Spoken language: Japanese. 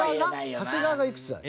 長谷川がいくつなの？